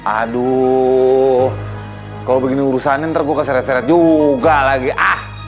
aduh kalau begini urusanin ntar gue keseret seret juga lagi ah